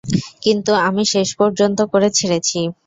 কিন্তু আমি শেষ পর্যন্ত করে ছেড়েছি!